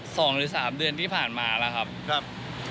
หรือสามเดือนที่ผ่านมาแล้วครับครับ